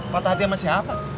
patah hati sama siapa